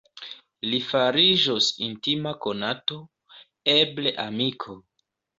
Li fariĝos intima konato; eble amiko.